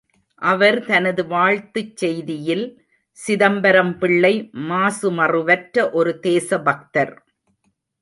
அவர் தனது வாழ்த்துச் செய்தியில், சிதம்பரம் பிள்ளை மாசுமறுவற்ற ஒரு தேசபக்தர்.